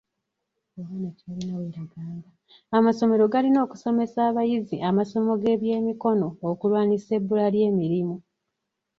Amasomero galina okusomesa abayizi amasomo g'ebyemikono okulwanyisa ebbula ly'emirimu.